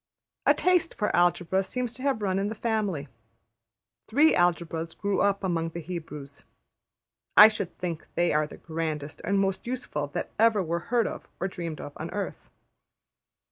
A taste for Algebra seems to have run in the family. Three Algebras grew up among the Hebrews; I should think they are the grandest and most useful that ever were heard of or dreamed of on earth.